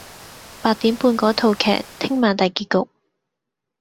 八點半嗰套劇聽晚大結局